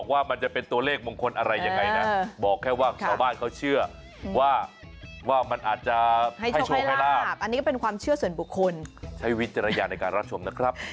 แวะ